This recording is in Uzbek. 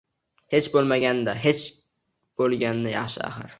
Hech boʼlgandan kech boʼlgani yaxshi axir